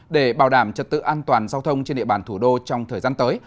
để bảo đảm trật tự an toàn giao thông trên địa bàn thủ đô trong thời gian tới